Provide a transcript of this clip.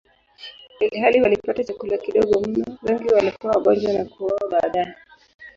Ilhali walipata chakula kidogo mno, wengi walikuwa wagonjwa na kuuawa baadaye.